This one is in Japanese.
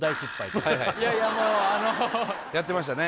いやいやもうあのやってましたね